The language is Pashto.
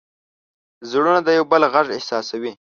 زړونه د یو بل غږ احساسوي.